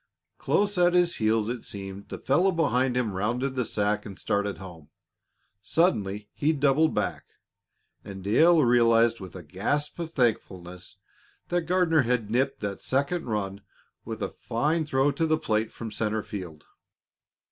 Close at his heels, it seemed, the fellow behind him rounded the sack and started home. Suddenly he doubled back, and Dale realized with a gasp of thankfulness that Gardner had nipped that second run with a fine throw to the plate from center field.